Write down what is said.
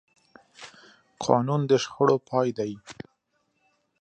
قانون د شخړو پای دی